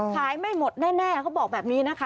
ไม่หมดแน่เขาบอกแบบนี้นะคะ